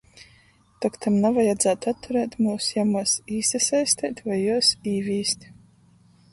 Tok tam navajadzātu atturēt myus jamuos īsasaisteit voi juos īvīst.